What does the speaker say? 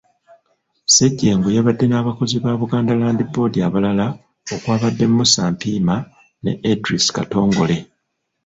Ssejjengo yabadde n’abakozi ba Buganda Land Board abalala okwabadde Musa Mpiima ne Edris Katongole.